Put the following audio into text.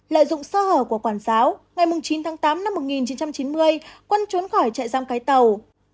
lợi dụng sơ hở của quản giáo ngày chín tháng tám năm một nghìn chín trăm chín mươi quân trốn khỏi trại giam cái tàu